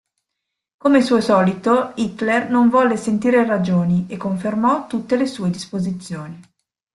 Come suo solito, Hitler non volle sentire ragioni e confermò tutte le sue disposizioni.